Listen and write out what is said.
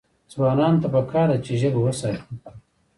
ځوانانو ته پکار ده چې، ژبه وساتي.